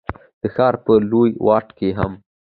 د ښار په لوی واټ کي هم،